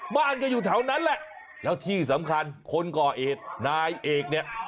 บ้านก็อยู่แถวนั้นแหละแล้วที่สำคัญคนก่อเหตุนายเอกเนี่ย